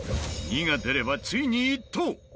２が出ればついに１等。